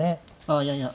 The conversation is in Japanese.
あいやいや